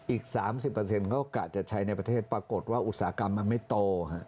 อีก๓๐เขากะจะใช้ในประเทศปรากฏว่าอุตสาหกรรมมันไม่โต